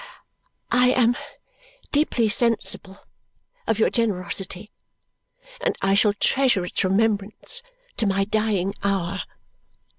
" I am deeply sensible of your generosity, and I shall treasure its remembrance to my dying hour.